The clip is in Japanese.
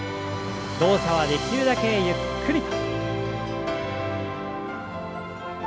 動作はできるだけゆっくり。